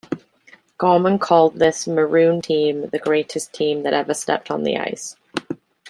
Gorman called this Maroon team the greatest team that ever stepped on the ice.